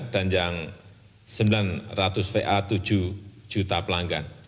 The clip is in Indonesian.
dan yang rp sembilan ratus va tujuh juta pelanggan